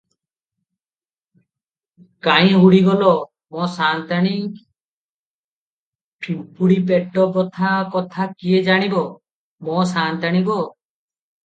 କାହିଁ ହୁଡ଼ିଗଲ, ମୋ ସାଆନ୍ତାଣି, ପିମ୍ପୁଡ଼ି ପେଟବଥା କଥା କିଏ ଜାଣିବ, ମୋ ସାଆନ୍ତାଣୀ ଗୋ!